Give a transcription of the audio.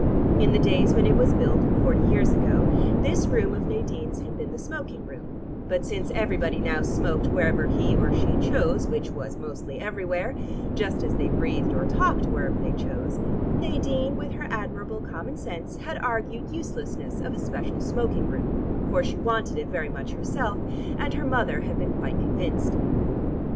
In the days when it was built, forty years ago, this room of Nadine's had been the smoking room, but since everybody now smoked wherever he or she chose, which was mostly everywhere, just as they breathed or talked wherever they chose, Nadine with her admirable commonsense had argued uselessness of a special smoking room, for she wanted it very much herself, and her mother had been quite convinced.